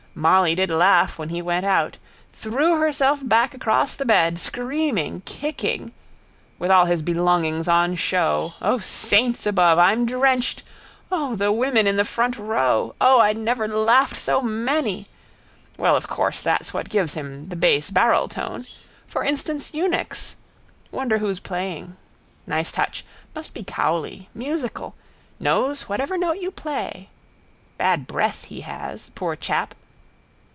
Molly did laugh when he went out. Threw herself back across the bed, screaming, kicking. With all his belongings on show. O saints above, I'm drenched! O, the women in the front row! O, I never laughed so many! Well, of course that's what gives him the base barreltone. For instance eunuchs. Wonder who's playing. Nice touch. Must be Cowley. Musical. Knows whatever note you play. Bad breath he has, poor chap.